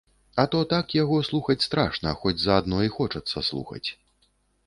А то так яго слухаць страшна, хоць заадно і хочацца слухаць.